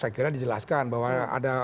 saya kira dijelaskan bahwa ada